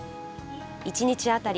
１日当たり